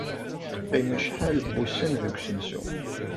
Teqqim acḥal n wussan deg usensu.